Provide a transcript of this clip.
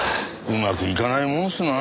うまくいかないもんですな。